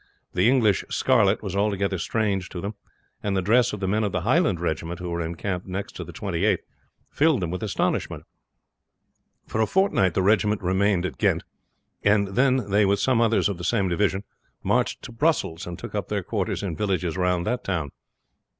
The English scarlet was altogether strange to them, and the dress of the men of the Highland regiment, who were encamped next to the Twenty eighth, filled them with astonishment. For a fortnight the regiment remained at Ghent, then they with some others of the same division marched to Brussels, and took up their quarters in villages round the town.